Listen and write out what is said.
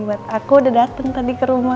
aku udah dateng tadi ke rumah